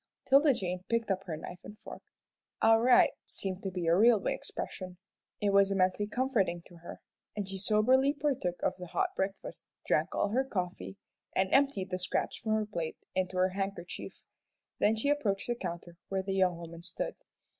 'Tilda Jane picked up her knife and fork. "All right!" seemed to be a railway expression. It was immensely comforting to her, and she soberly partook of the hot breakfast, drank all her coffee, and emptied the scraps from her plate into her handkerchief. Then she approached the counter where the young woman stood.